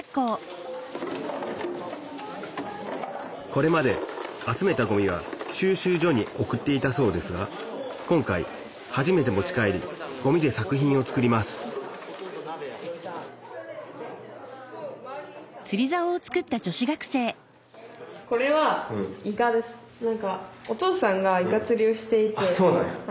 これまで集めたごみは収集所に送っていたそうですが今回初めて持ち帰りごみで作品を作りますあっそうなんや。